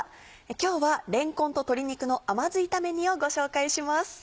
今日は「れんこんと鶏肉の甘酢炒め煮」をご紹介します。